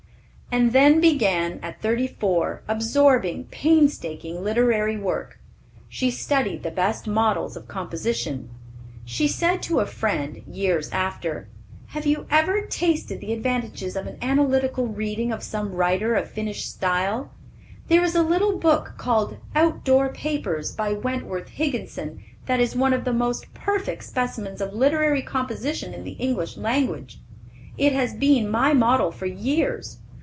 And then began, at thirty four, absorbing, painstaking literary work. She studied the best models of composition. She said to a friend, years after, "Have you ever tested the advantages of an analytical reading of some writer of finished style? There is a little book called Out Door Papers, by Wentworth Higginson, that is one of the most perfect specimens of literary composition in the English language. It has been my model for years.